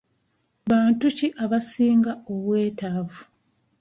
Bantu ki abasinga obwetaavu?